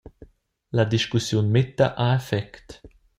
La discussiun métta ha effect.